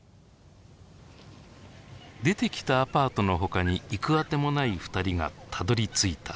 出てきたアパートの他に行くあてもない二人がたどりついた先。